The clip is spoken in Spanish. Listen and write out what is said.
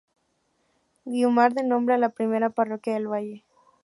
Güímar da nombre a la primera parroquia del valle.